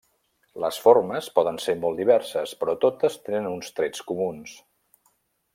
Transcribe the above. Les formes poden ser molt diverses però totes tenen uns trets comuns.